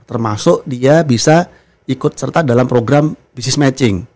termasuk dia bisa ikut serta dalam program business matching